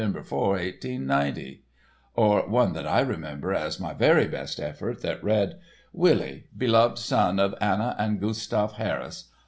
4, 1890'; or one that I remember as my very best effort, that read, 'Willie, Beloved Son of Anna and Gustave Harris; b.